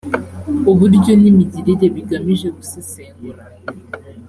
uburyo n imigirire bigamije gusesengura